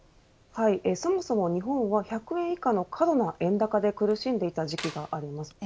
そもそも日本は１００円以下の過度な円高で苦しんでいた時期があります。